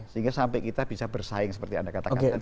sehingga sampai kita bisa bersaing seperti anda katakan tadi